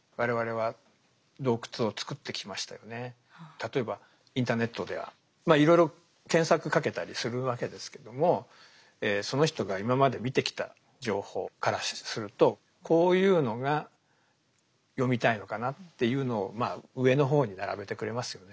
例えばインターネットではいろいろ検索かけたりするわけですけどもその人が今まで見てきた情報からするとこういうのが読みたいのかなっていうのをまあ上の方に並べてくれますよね。